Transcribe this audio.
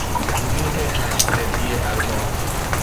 وجوه هشت ضلعی الماس